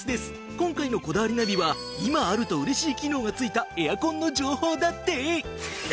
今回の『こだわりナビ』は今あるとうれしい機能がついたエアコンの情報だって。